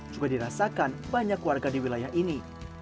juga dirasakan banyak warga di wilayah ini